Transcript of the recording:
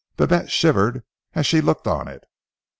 Babette shivered as she looked on it.